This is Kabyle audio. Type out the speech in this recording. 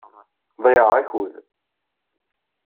Ḍeyyɛeɣ akud.